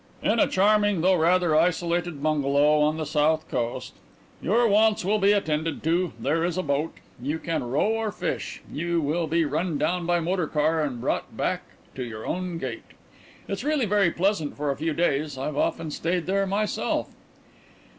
"In a charming though rather isolated bungalow on the south coast. Your wants will be attended to. There is a boat. You can row or fish. You will be run down by motor car and brought back to your own gate. It's really very pleasant for a few days. I've often stayed there myself."